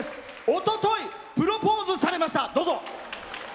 おととい、プロポーズされました。